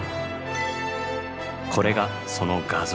これがその画像。